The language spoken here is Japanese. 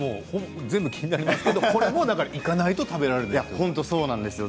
全部気になりますけどこれも行かないと食べられないですね。